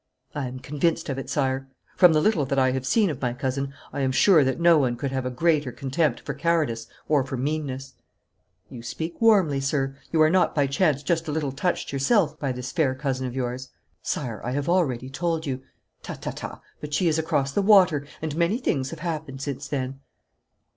'I am convinced of it, sire. From the little that I have seen of my cousin I am sure that no one could have a greater contempt for cowardice or for meanness.' 'You speak warmly, sir. You are not by chance just a little touched yourself by this fair cousin of yours?' 'Sire, I have already told you ' 'Ta, ta, ta, but she is across the water, and many things have happened since then.'